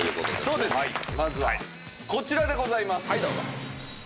まずはこちらでございます。